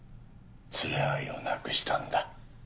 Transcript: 連れ合いを亡くしたんだ。